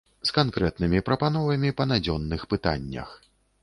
З канкрэтнымі прапановамі па надзённых пытаннях.